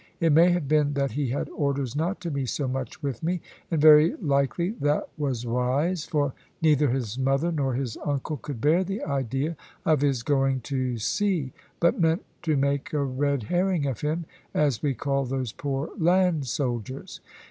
It may have been that he had orders not to be so much with me, and very likely that was wise; for neither his mother nor his uncle could bear the idea of his going to sea, but meant to make a red herring of him, as we call those poor land soldiers.